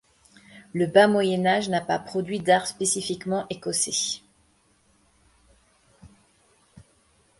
Le bas Moyen Âge n'a pas produit d'art spécifiquement écossais.